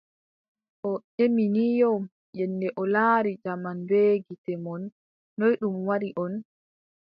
O ƴemi ni yo, yennde o laari jaman bee gite mon ,noy ɗum waɗi on ?